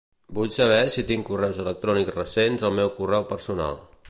Vull saber si tinc correus electrònics recents al meu correu personal.